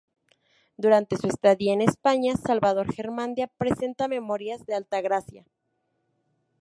Durante su estadía en España, Salvador Garmendia presenta "Memorias de Altagracia".